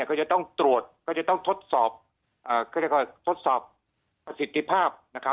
ก็จะต้องตรวจก็จะต้องทดสอบทดสอบประสิทธิภาพ